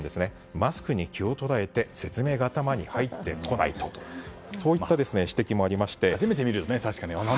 マスクに気を取られて説明が頭に入ってこないとそういった指摘もありました。